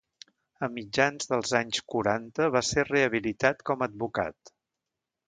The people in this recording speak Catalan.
A mitjans dels anys quaranta va ser rehabilitat com a advocat.